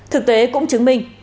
thực tế cũng chứng minh